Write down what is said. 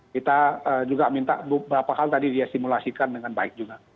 kita juga minta beberapa hal tadi dia simulasikan dengan baik juga